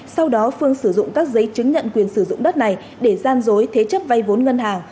sau đó phương sử dụng các giấy chứng nhận quyền sử dụng đất này để gian dối thế chấp vay vốn ngân hàng